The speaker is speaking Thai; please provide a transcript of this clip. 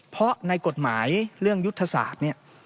เพราะในกฎหมายเรื่องยุทธศาสตร์เนี่ย